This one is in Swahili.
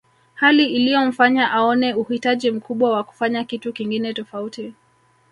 Hali iliyomfanya aone uhitaji mkubwa wa kufanya kitu kingine tofauti